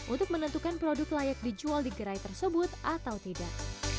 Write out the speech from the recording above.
untuk menentukan produk layak dijual di gerai tersebut atau tidak